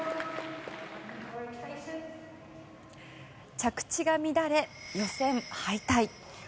着地が乱れ、予選敗退。